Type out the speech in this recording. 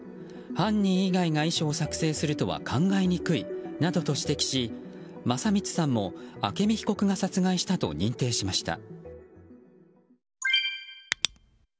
犯人以外が遺書を作成するとは考えにくいなどと指摘し聖光さんも朱美被告が殺害したと認定しました。